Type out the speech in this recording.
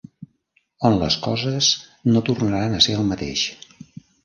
On les coses no tornaran a ser el mateix.